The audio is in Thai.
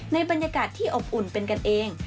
บรรยากาศที่อบอุ่นเป็นกันเอง